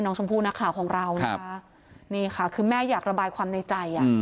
น้องชมพู่นักข่าวของเรานะคะนี่ค่ะคือแม่อยากระบายความในใจอ่ะ